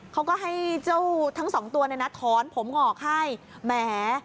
เขาก็ให้เจ้าทั้งสองตัวเนี่ยนะถอนผมออกให้แหม